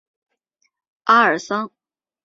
阿尔桑。